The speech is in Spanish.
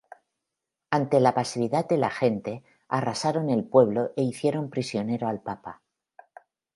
Ante la pasividad de la gente, arrasaron el pueblo e hicieron prisionero al Papa.